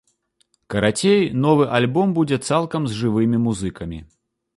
Карацей, новы альбом будзе цалкам з жывымі музыкамі.